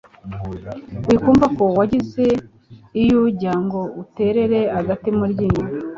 Wikumva ko wageze iyo ujya ngo uterere agati mu ryinyo